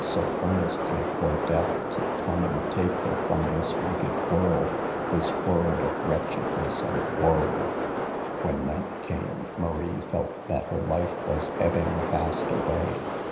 so earnestly, for death to come and take her from this wicked world, this world of wretchedness and woe. When night came Marie felt that her life was ebbing fast away.